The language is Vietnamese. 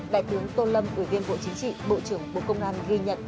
đại tướng tô lâm ủy viên bộ chính trị bộ trưởng bộ công an ghi nhận